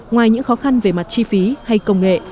ngoài những khó khăn về mặt chi phí hay công nghệ